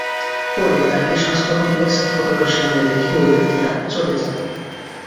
পরে তাঁকে স্বাস্থ্য কমপ্লেক্সের ফটকের সামনে রেখে ওই ব্যক্তিরা চলে যান।